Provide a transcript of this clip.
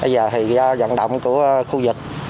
bây giờ do vận động của khu vực